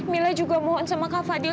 mila juga mohon sama kak fadil